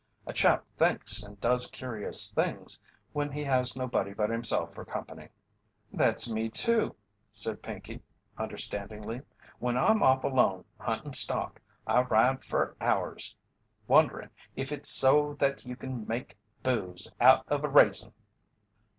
A chap thinks and does curious things when he has nobody but himself for company." "That's me, too," said Pinkey, understandingly. "When I'm off alone huntin' stock, I ride fer hours wonderin' if it's so that you kin make booze out of a raisin."